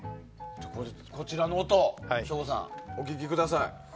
こちらの音省吾さん、お聴きください。